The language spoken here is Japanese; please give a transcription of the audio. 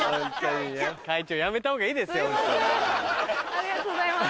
ありがとうございます。